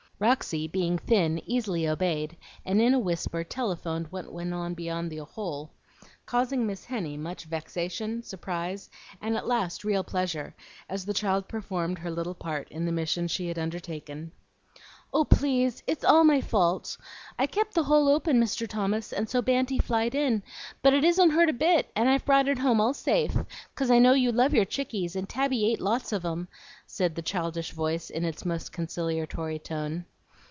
Roxy, being thin, easily obeyed, and in a whisper telephoned what went on beyond the hole, causing Miss Henny much vexation, surprise, and at last real pleasure, as the child performed her little part in the mission she had undertaken. "Oh, please, it's all my fault! I kept the hole open, Mr. Thomas, and so Banty flied in. But it isn't hurt a bit, and I've brought it home all safe, 'cause I know you love your chickies, and Tabby ate lots of 'em," said the childish voice in its most conciliatory tone.